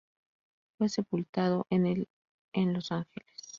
Fue sepultado en el en Los Ángeles.